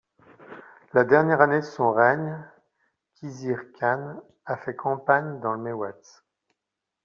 La dernière année de son règne, Khizr Khân fait campagne dans le Mewat.